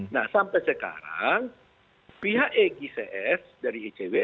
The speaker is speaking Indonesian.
nah sampai sekarang pihak egcs dari ecw